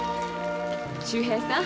秀平さん。